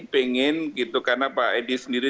pengen gitu karena pak edi sendiri